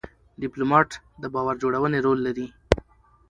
ډيپلومات د باور جوړونې رول لري.